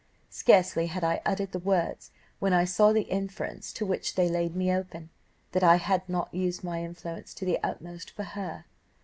Scarcely had I uttered the words, when I saw the inference to which they laid me open, that I had not used my influence to the utmost for her.